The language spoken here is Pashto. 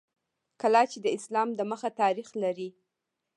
کلا چې د اسلام د مخه تاریخ لري